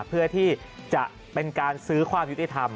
เพื่อที่จะเป็นการซื้อความยุติธรรม